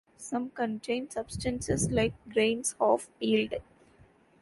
Some contain substances like grains half peeled.